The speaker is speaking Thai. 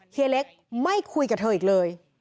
เล็กไม่คุยกับเธออีกเลย